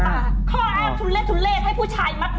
ให้ผู้ชายมากสมสูรกับผู้หญิงพระสยา